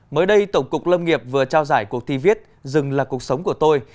mới đây tổng cục lâm nghiệp vừa trao giải cuộc thi viết dừng là cuộc sống của tôi